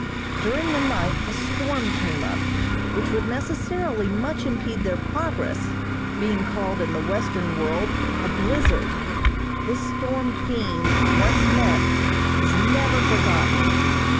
During the night a storm came up which would necessarily much impede their progress, being called in the western world a "blizzard." This storm fiend, once met, is never forgotten.